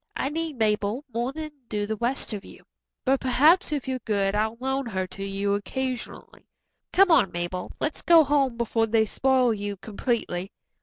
"I need Mabel more than do the rest of you, but perhaps if you're good I'll loan her to you occasionally. Come on, Mabel, let's go home before they spoil you completely."